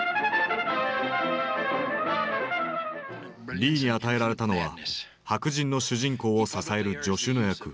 リーに与えられたのは白人の主人公を支える助手の役。